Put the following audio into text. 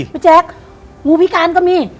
พี่แจ๊กงูพิการก็มี